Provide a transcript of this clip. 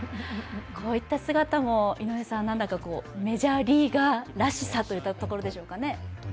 こういった姿もメジャーリーガーらしさといったところでしょうかね。